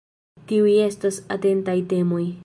Tiuj estos atentataj temoj.